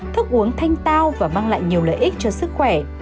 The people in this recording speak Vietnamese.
thức uống thanh tao và mang lại nhiều lợi ích cho sức khỏe